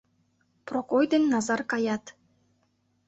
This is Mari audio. Прокой ден Назар каят.